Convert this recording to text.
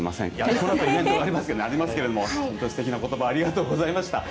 このあとイベントがありますけれども、本当にすてきなことば、ありがとうございました。